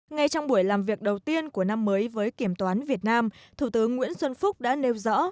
ngay trong buổi làm việc đầu tiên của năm mới với kiểm toán việt nam thủ tướng nguyễn xuân phúc đã nêu rõ